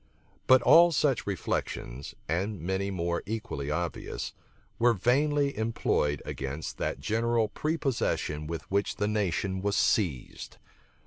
But all such reflections, and many more equally obvious, were vainly employed against that general prepossession with which the nation was seized.